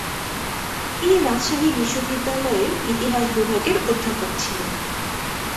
তিনি রাজশাহী বিশ্ববিদ্যালয়ের ইতিহাস বিভাগের অধ্যাপক ছিলেন।